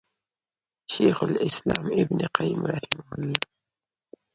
شيخ الإسلام ابن القيّم رحمه الله